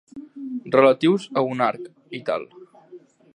Relatius a un arc, i tal.